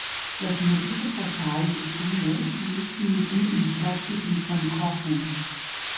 Das nördliche Portal des Tunnels liegt mitten im Stadtgebiet von Cochem.